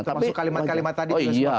masuk kalimat kalimat tadi